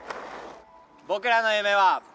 僕らの夢は。